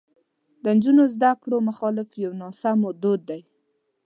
د نجونو د زده کړو مخالفت یو ناسمو دود دی.